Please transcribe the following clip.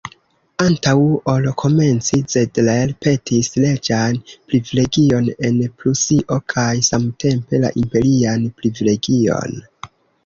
Antaŭ ol komenci, Zedler petis reĝan privilegion en Prusio, kaj samtempe la imperian privilegion.